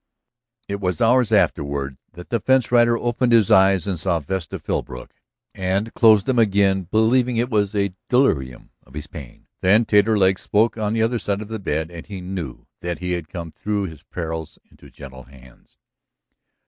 It was hours afterward that the fence rider opened his eyes and saw Vesta Philbrook, and closed them again, believing it was a delirium of his pain. Then Taterleg spoke on the other side of the bed, and he knew that he had come through his perils into gentle hands.